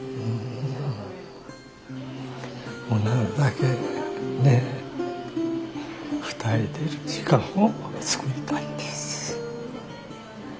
もうなるだけねえ二人でいる時間を作りたいです。